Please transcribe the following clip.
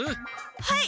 はい！